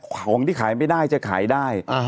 ของที่ขายไม่ได้จะขายได้